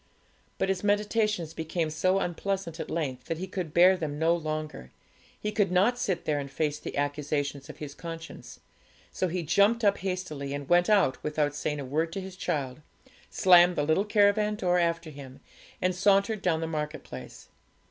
But his meditations became so unpleasant at length, that he could bear them no longer; he could not sit there and face the accusations of his conscience; so he jumped up hastily, and went out without saying a word to his child, slammed the little caravan door after him, and sauntered down the marketplace.